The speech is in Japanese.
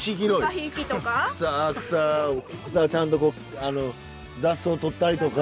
草ちゃんと雑草取ったりとか。